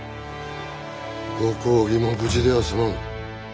ご公儀も無事では済まん。